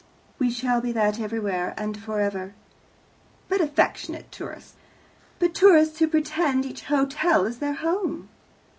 "We shall be that everywhere, and for ever." "But affectionate tourists " "But tourists who pretend each hotel is their home."